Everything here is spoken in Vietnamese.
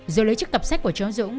rồi lấy chiếc cặp sách của cháu dũng